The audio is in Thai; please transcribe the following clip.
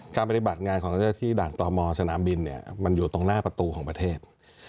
การปฏิบัติงานของเราที่ด่างตอมอสนามบินมันอยู่ตรงหน้าประตูของประเทศ